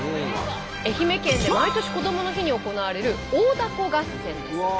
愛媛県で毎年こどもの日に行われる大凧合戦です。